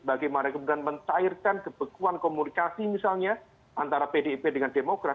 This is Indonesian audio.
bagaimana kemudian mencairkan kebekuan komunikasi misalnya antara pdip dengan demokrat